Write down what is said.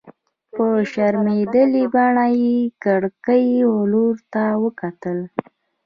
په شرمېدلې بڼه يې د کړکۍ لور ته وکتل.